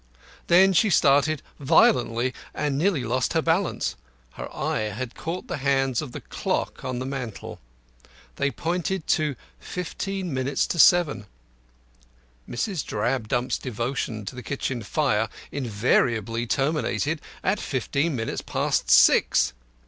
Then she started violently, and nearly lost her balance. Her eye had caught the hands of the clock on the mantel. They pointed to fifteen minutes to seven. Mrs. Drabdump's devotion to the kitchen fire invariably terminated at fifteen minutes past six.